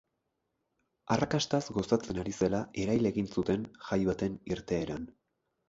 Arrakastaz gozatzen ari zela erail egin zuten jai baten irteeran.